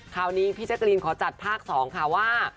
คราวนี้พี่แจ๊กรีนขอจัดภาค๒ค่ะว่า